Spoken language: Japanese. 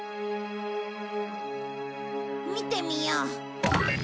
見てみよう。